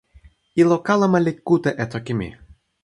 ilo kalama li kute e toki mi.